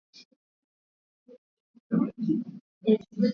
kutoka chini duniani yenye kukandamiza uhuru wa waandishi habari